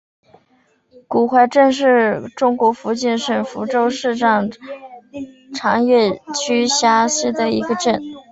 古槐镇是中国福建省福州市长乐区下辖的一个镇。